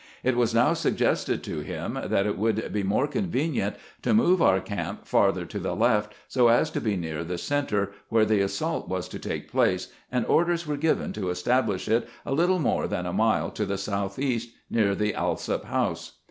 It was now suggested to him that it would be more convenient to move our camp farther to the left, so as to be near the center, where the assault was to take place, and orders were given to establish it a little more than a mile to the southeast, near the Alsop house.